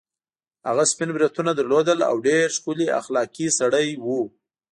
هغه سپین بریتونه درلودل او ډېر ښکلی اخلاقي سړی وو.